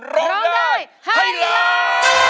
ร้องได้ให้ล้าน